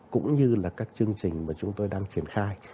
cũng như là các chương trình mà chúng tôi đang triển khai